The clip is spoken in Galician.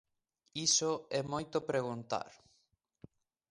Iso é moito preguntar.